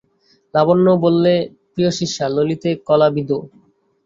লাবণ্য বললে, প্রিয়শিষ্যা ললিতে কলাবিধৌ।